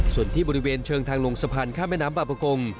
ส่วนที่บริเวณเชิงทางลงสะพานข้ามแม่น้ำบาปกง